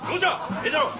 ええじゃろう！